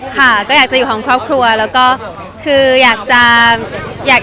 ค่ะก็อยากจะอยู่ของครอบครัวแล้วก็คืออยากจะอยาก